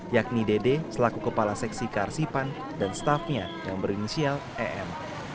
yakni dede selaku kepala seksi kearsipan dan staffnya yang berinisial em